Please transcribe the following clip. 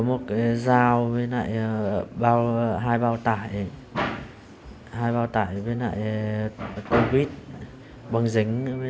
mở cửa gì